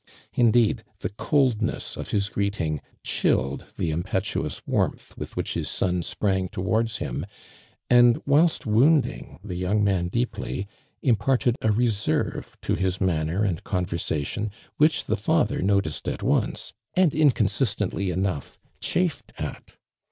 Indeed the coldness of his greet ing chilled the impetuous warmth with which his son sprang towards him, and whilst wounding the young man deeply, imparted a reserve to his manner and conversation which the father noticed at once, and inconsistently enough, chafed at.